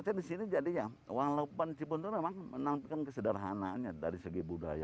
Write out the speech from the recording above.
potensi potensi di sini jadinya walaupun jebuntu memang menangkan kesederhanaannya dari segi budaya